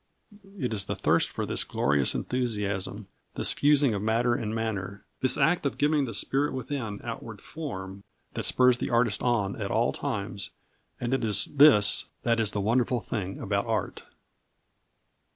It is the thirst for this glorious enthusiasm, this fusing of matter and manner, this act of giving the spirit within outward form, that spurs the artist on at all times, and it is this that is the wonderful thing about art.